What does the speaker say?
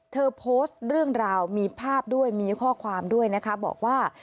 เธอโพสต์เรื่องราวมีภาพด้วยมีข้อความด้วยนะคะบอกว่า